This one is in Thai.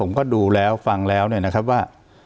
ผมก็ดูแล้วฟังแล้วเนี่ยนะครับว่า